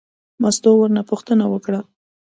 مستو ورنه پوښتنه وکړه.